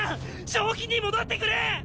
正気に戻ってくれ！